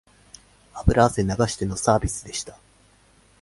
油汗流してのサービスでした